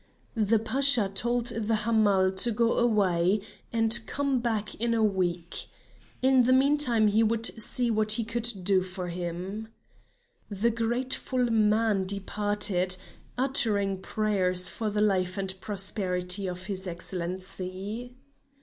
The Pasha told the Hamal to go away and come back in a week; in the meantime he would see what he could do for him. The grateful man departed, uttering prayers for the life and prosperity of his Excellency.